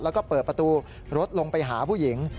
แล้วก็เปิดประตูรถลงไปหาผู้หญิง